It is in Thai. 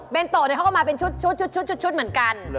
เป็นโตะเขาก็มาเป็นชุดเหมือนกัน